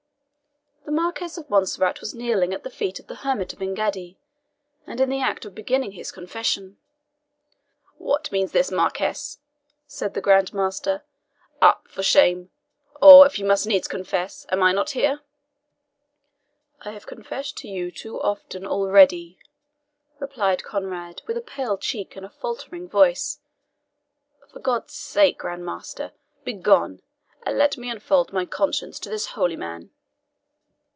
The Marquis of Montserrat was kneeling at the feet of the hermit of Engaddi, and in the act of beginning his confession. "What means this, Marquis?" said the Grand Master; "up, for shame or, if you must needs confess, am not I here?" "I have confessed to you too often already," replied Conrade, with a pale cheek and a faltering voice. "For God's sake, Grand Master, begone, and let me unfold my conscience to this holy man."